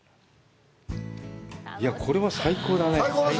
これは最高だね。